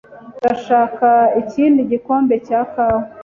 Ndashaka ikindi gikombe cya kawa.